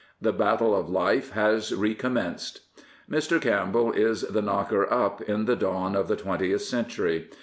The battle of life has recommenced. Mr. Campbell is the " knocker up'' in the dawn of the twentieth century.